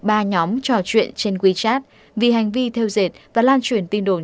ba nhóm trò chuyện trên wechat vì hành vi theo dệt và lan truyền tin đồn